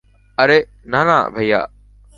আরে, না, না, ভাইয়া।